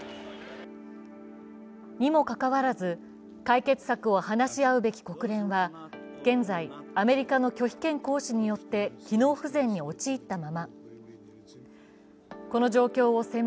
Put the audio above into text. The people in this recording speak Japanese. にもかかわらず、解決策を話し合うべき国連は現在、アメリカの拒否権行使によって機能不全に陥ったまま。